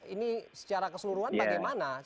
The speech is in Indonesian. ini secara keseluruhan bagaimana